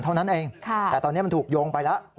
แต่ตอนนี้มันถูกโยงไปแล้ว